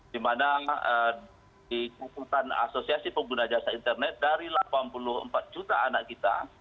dimana di kesultanan asosiasi pengguna jasa internet dari delapan puluh empat juta anak kita